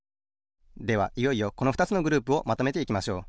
ではいよいよこのふたつのグループをまとめていきましょう。